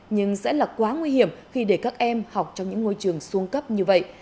nhưng sẽ là quá nguy hiểm khi để các em học trong những ngôi trường xuống cấp như vậy